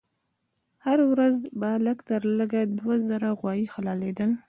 هر ورځ به لږ تر لږه دوه زره غوایي حلالېدل.